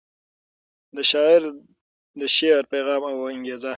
د شاعر د شعر پیغام او انګیزه